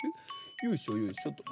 よいしょよいしょっと。